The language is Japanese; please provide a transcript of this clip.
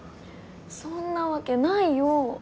そんなわけないよ！